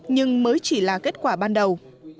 nhưng mới chỉ là kết quả ban đầu